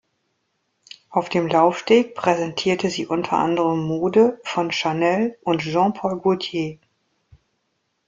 Auf dem Laufsteg präsentierte sie unter anderem Mode von Chanel und Jean-Paul Gaultier.